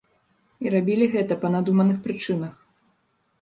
І рабілі гэта па надуманых прычынах.